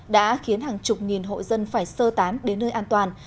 đã khiến hàng chục nghìn hộ dân phải sơ tán đến nơi an toàn